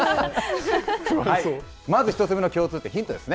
まず１つ目の共通点、ヒントですね。